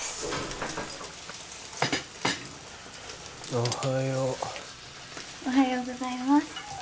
おはようおはようございます